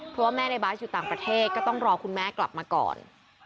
เพราะว่าแม่ในบาสอยู่ต่างประเทศก็ต้องรอคุณแม่กลับมาก่อน